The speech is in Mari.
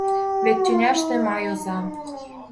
Вет тӱняште — май оза.